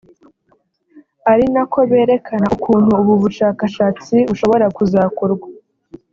ari na ko berekana ukuntu ubu bushakashatsi bushobora kuzakorwa